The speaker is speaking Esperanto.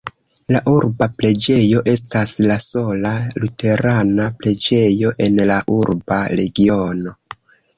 La urba preĝejo estas la sola luterana preĝejo en la urba regiono.